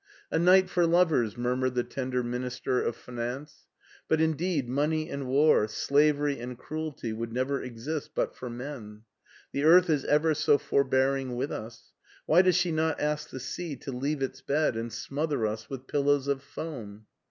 A night for lovers," murmured the tender Min ister of Finance. " But indeed money and war, slav ery and cruelty, would never exist but for men. The earth is ever so forbearing with us. Why does she not ask the sea to leave its bed and smother us with pillows of foam?'